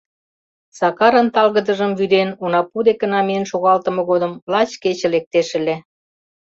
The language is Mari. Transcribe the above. Сакарын талгыдыжым вӱден онапу дек намиен шогалтыме годым лач кече лектеш ыле.